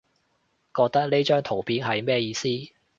覺得呢張圖片係咩意思？